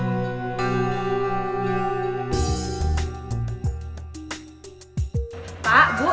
sampai jumpa di video selanjutnya